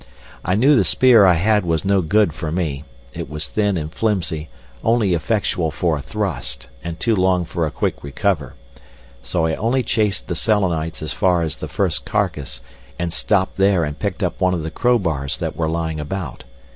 I knew the spear I had was no good for me. It was thin and flimsy, only effectual for a thrust, and too long for a quick recover. So I only chased the Selenites as far as the first carcass, and stopped there and picked up one of the crowbars that were lying about.